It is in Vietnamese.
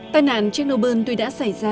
tài nạn chernobyl tuy đã xảy ra